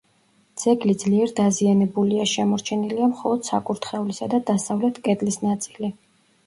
ძეგლი ძლიერ დაზიანებულია: შემორჩენილია მხოლოდ საკურთხევლისა და დასავლეთ კედლის ნაწილი.